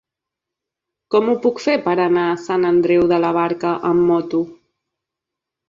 Com ho puc fer per anar a Sant Andreu de la Barca amb moto?